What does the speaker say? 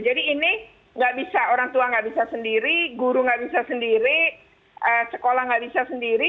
jadi ini orang tua nggak bisa sendiri guru nggak bisa sendiri sekolah nggak bisa sendiri